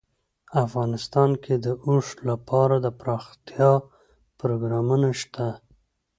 افغانستان کې د اوښ لپاره دپرمختیا پروګرامونه شته.